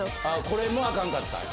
これもあかんかったんや。